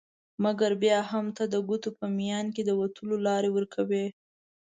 مګر بیا هم ته د ګوتو په میان کي د وتلو لار ورکوي